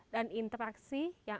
dan interaksi yang